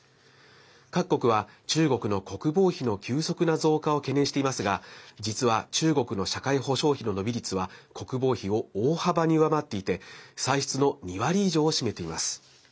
各国は、中国の国防費の急速な増加を懸念していますが実は中国の社会保障費の伸び率は国防費を大幅に上回っていて歳出の２割以上を占めています。